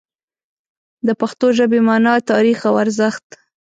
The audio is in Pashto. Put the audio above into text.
د پښتو ژبې مانا، تاریخ او ارزښت